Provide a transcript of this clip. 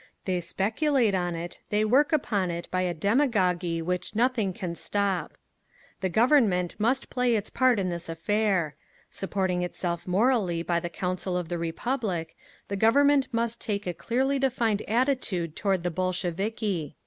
They speculate on it, they work upon it by a demagogy which nothing can stop…. "The Government must play its part in this affair. Supporting itself morally by the Council of the Republic, the Government must take a clearly defined attitude toward the Bolsheviki….